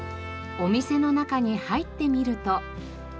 お店の中に入ってみると。